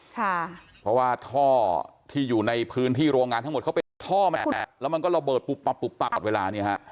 เพราะว่าท่อที่อยู่ในพื้นที่โรงงานทั้งหมดเขาเป็นท่อแมทแล้วมันก็ระเบิดปุ๊บปับปุ๊บปับเวลาเนี่ยฮะ